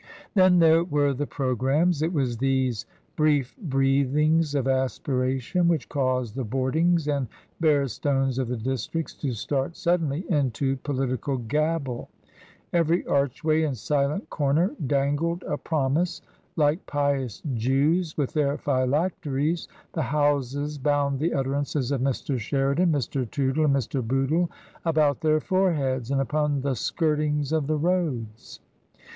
Then there were the programmes. It was these brief breathings of aspiration which caused the boardings and bare stones of the districts to start suddenly into politi cal gabble ; every archway and silent corner dangled a promise; like pious Jews with their phylacteries, the houses bound the utterances of Mr. Sheridan, Mr, Tootle, and Mr. Bootle about their foreheads and upon the skirtings of the roads.